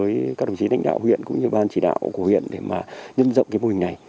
với các đồng chí lãnh đạo huyện cũng như ban chỉ đạo của huyện để mà nhân rộng cái mô hình này